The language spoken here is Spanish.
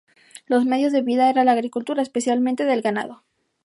Los medios de vida era la agricultura, especialmente del ganado.